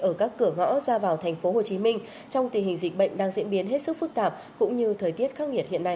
ở các cửa ngõ ra vào tp hcm trong tình hình dịch bệnh đang diễn biến hết sức phức tạp cũng như thời tiết khắc nghiệt hiện nay